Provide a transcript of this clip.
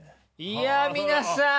いや皆さん。